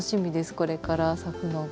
これから咲くのが。